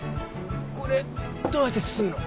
これどうやって進むの？